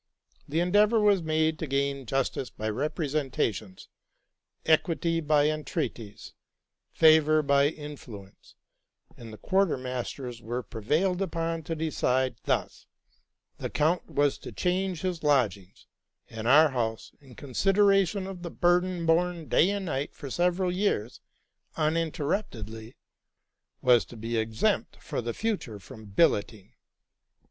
The endeavor was made to gain justice by representations, equity by entreaties, favor by influence ; and the quarter masters were prevailed upon to decide thus: the count was to change his lodgings ; and our house, in consideration of the burden borne day and night for several years uninterruptedly, was to be exempt for the future from billetting.